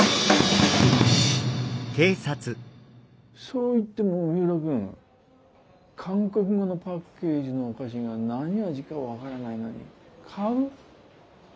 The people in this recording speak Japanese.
そう言っても三浦くん韓国語のパッケージのお菓子が何味か分からないのに買う？